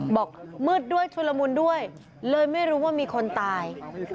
บอกมืดด้วยชุลมุนด้วยเลยไม่รู้ว่ามีคนตาย